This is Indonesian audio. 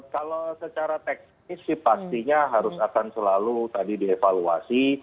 kalau secara teknis sih pastinya harus akan selalu tadi dievaluasi